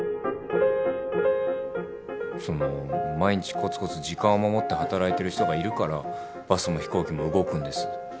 その毎日コツコツ時間を守って働いてる人がいるからバスも飛行機も動くんです。